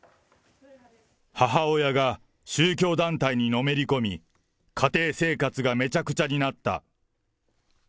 母親が宗教団体にのめり込み、家庭生活がめちゃくちゃになった。